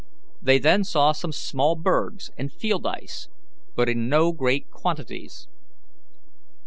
They then saw some small bergs and field ice, but in no great quantities.